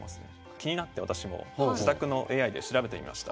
気になって私も自宅のＡＩで調べてみました。